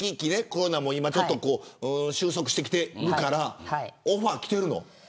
コロナも収束してきているからオファーきてるの。